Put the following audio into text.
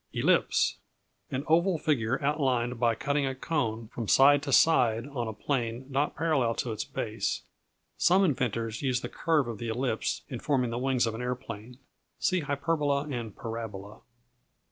Ellipse An oval figure outlined by cutting a cone through from side to side on a plane not parallel to its base. Some inventors use the curves of the ellipse in forming the wings of aeroplanes. See Hyperbola and Parabola.